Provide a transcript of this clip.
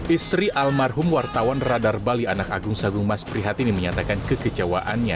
istri almarhum wartawan radar bali anak agung sagung mas prihatini menyatakan kekecewaannya